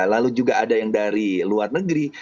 lalu juga ada yang dari luar negeri